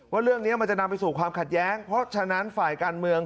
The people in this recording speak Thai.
ว่าเรื่องนี้มันจะนำไปสู่ความขัดแย้งเพราะฉะนั้นฝ่ายการเมือง